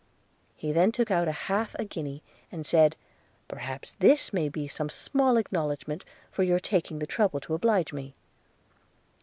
He then took out half a guinea, and said, 'Perhaps this may be some small acknowledgement for you taking the trouble to oblige me.'